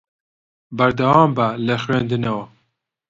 بەردەوام بە لە خوێندنەوە.